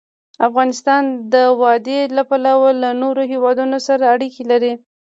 افغانستان د وادي له پلوه له نورو هېوادونو سره اړیکې لري.